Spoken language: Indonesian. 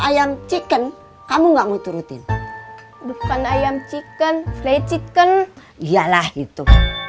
ayam chicken kamu nggak mau turutin bukan ayam chicken flecik kan iyalah itu